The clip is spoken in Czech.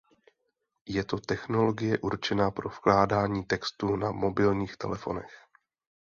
Je to technologie určená pro vkládání textu na mobilních telefonech.